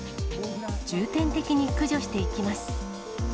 重点的に駆除していきます。